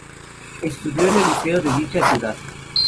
Estudio en el Liceo de dicha ciudad.